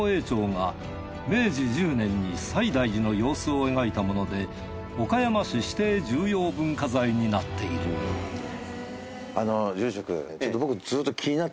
朝が明治１０年に西大寺の様子を描いたもので岡山市指定重要文化財になっているあの住職ちょっと僕。